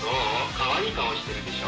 かわいい顔してるでしょ？